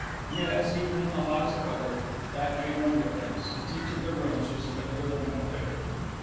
Yes, even in the hottest weather; that made no difference, since each of their rooms was fitted with a ventilator.